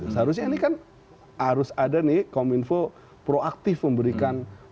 seharusnya ini kan harus ada nih kominfo proaktif memberikan